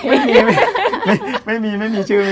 ี่ว่าถ้ามีลำพี่หมอก็เก็บไว๑๙๘๘